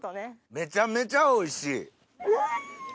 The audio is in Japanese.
めちゃめちゃおいしい。